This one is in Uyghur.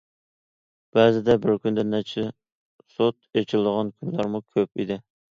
بەزىدە بىر كۈندە نەچچە سوت ئېچىلىدىغان كۈنلەرمۇ كۆپ ئىدى.